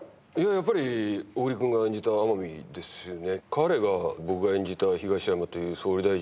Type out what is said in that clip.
やっぱり小栗くんが演じた天海ですね